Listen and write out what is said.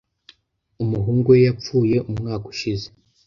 Umuhungu we yapfuye umwaka ushize.